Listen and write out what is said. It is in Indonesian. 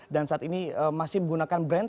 dan saat ini masih menggunakan brand